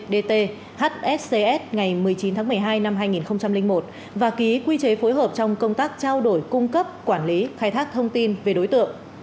dt hscs ngày một mươi chín tháng một mươi hai năm hai nghìn một và ký quy chế phối hợp trong công tác trao đổi cung cấp quản lý khai thác thông tin về đối tượng